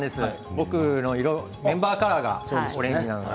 僕の色、メンバーカラーがオレンジなので。